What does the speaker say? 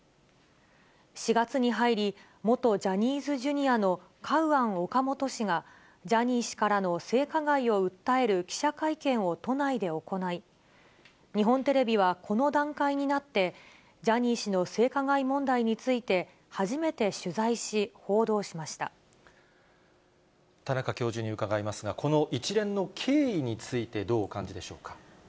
４月に入り、元ジャニーズＪｒ．のカウアン・オカモト氏が、ジャニー氏からの性加害を訴える記者会見を都内で行い、日本テレビは、この段階になって、ジャニー氏の性加害問題について、初めて取材田中教授に伺いますが、この一連の経緯について、どうお感じでしょうか。